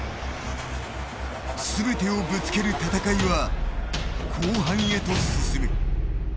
全てをぶつける戦いは後半へと進む。